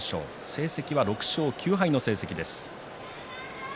成績は６勝９敗の成績です。